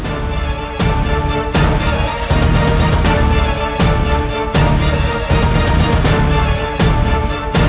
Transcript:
bagaimana bisa ini terjadi